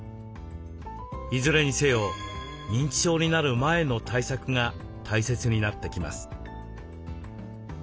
いずれにせよ認知症になる前の対策が大切になってきます。